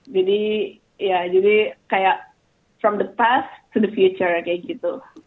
jadi kayak from the past to the future kayak gitu